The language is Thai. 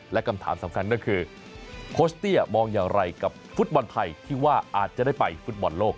และคำถามสำคัญก็คือโคชเตี้ยมองอย่างไรกับฟุตบอลไทยที่ว่าอาจจะได้ไปฟุตบอลโลก